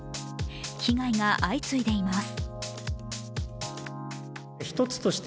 被害が相次いでいます。